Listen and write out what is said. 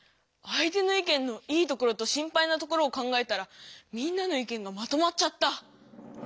相手の意見の「いいところ」と「心配なところ」を考えたらみんなの意見がまとまっちゃった。